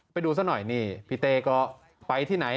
ไปดูซะหน่อยนี่พี่เต้ก็ไปที่ไหน